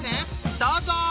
どうぞ！